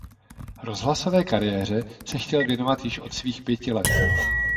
Rozhlasové kariéře se chtěl věnovat již od svých pěti let.